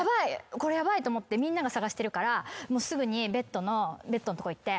これヤバいと思ってみんなが捜してるからもうすぐにベッドのとこ行って。